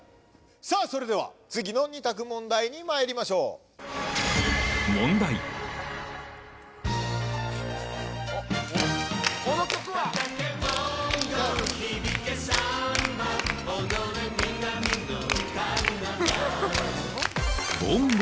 さあそれでは次の２択問題にまいりましょうボンゴ？